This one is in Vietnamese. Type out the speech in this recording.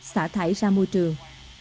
xã thải ra môi trường